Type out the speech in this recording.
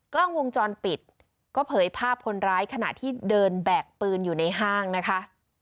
กล้องวงจรปิดก็เผยภาพคนร้ายขณะที่เดินแบกปืนอยู่ในห้างนะคะ